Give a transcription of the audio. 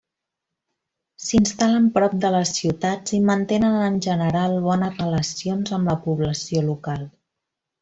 S'instal·len prop de les ciutats i mantenen en general bones relacions amb la població local.